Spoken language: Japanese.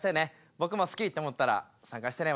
僕も好きって思ったら参加してね。